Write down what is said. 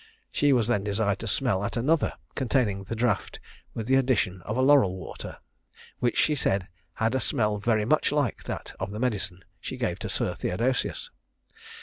She was then desired to smell at another, containing the draught with the addition of laurel water, which she said had a smell very much like that of the medicine she gave to Sir Theodosius.